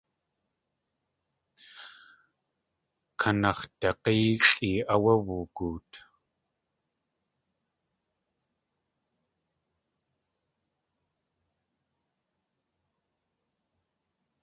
Kanax̲dag̲éexʼi áwé woogoot.